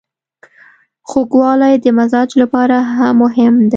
خوږوالی د مزاج لپاره هم مهم دی.